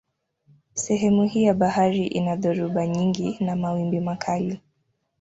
Sehemu hii ya bahari ina dhoruba nyingi na mawimbi makali.